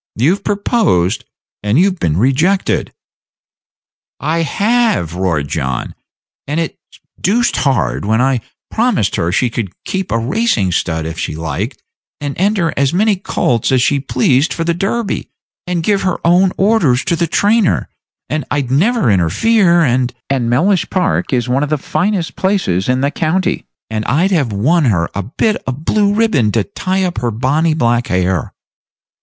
You've proposed, and you've been rejected." "I have," roared John; "and it's doosed hard, when I promised her she should keep a racing stud if she liked, and enter as many colts as she pleased for the Derby, and give her own orders to the trainer, and I'd never interfere; and and Mellish Park is one of the finest places in the county; and I'd have won her a bit of blue ribbon to tie up her bonny black hair."